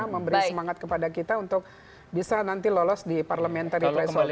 memberi semangat kepada kita untuk bisa nanti lolos di parliamentary threshold